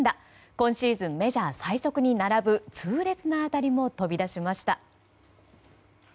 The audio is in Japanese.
今シーズンメジャー最速に並ぶ痛烈な当たりも飛び出しました。